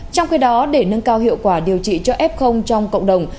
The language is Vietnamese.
trong khi đó để nâng cao hiệu quả điều trị cho f trong cộng đồng